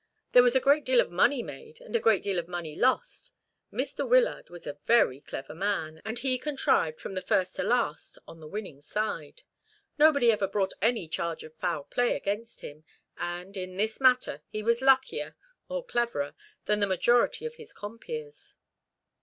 There was a great deal of money made, and a great deal of money lost. Mr. Wyllard was a very clever man, and he contrived to be from first to last on the winning side. Nobody ever brought any charge of foul play against him; and, in this matter, he was luckier, or cleverer, than the majority of his compeers."